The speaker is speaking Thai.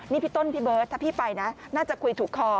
นี่พี่ต้นพี่เบิร์ตถ้าพี่ไปนะน่าจะคุยถูกคอ